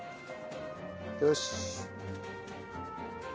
よし。